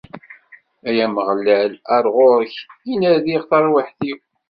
Ay Ameɣlal, ar ɣur-k i n-rriɣ tarwiḥt-iw!